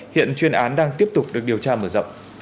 hiện chuyên án đang tiếp tục được điều tra mở rộng